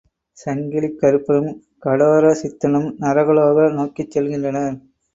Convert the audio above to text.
சங்கிலிக் கறுப்பனுங் கடோரசித்தனும் நரகலோக நோக்கிச் செல்கின்றனர்.